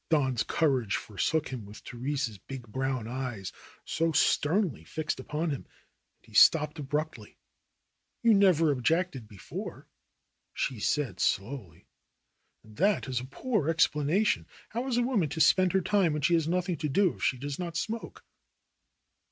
Don's courage forsook him with Therese's big brown eyes so sternly fixed upon him, and he stopped abruptly. "You never objected before," she said slowly. "And that is a poor explanation. How is a woman to spend her time when she has nothing to do if she does not smoke